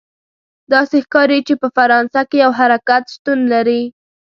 داسې ښکاري چې په فرانسه کې یو حرکت شتون لري.